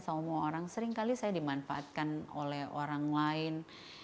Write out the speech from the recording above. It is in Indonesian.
sama orang seringkali saya dimanfaatkan oleh orang lain